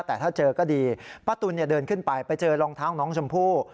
แต่ถ้าเจอก็ดีป้าตุ๋นเดินขึ้นไปไปเจอรองเท้าน้องชมพู่